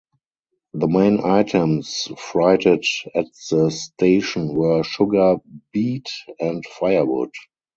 The main items freighted at the station were sugar beet and firewood.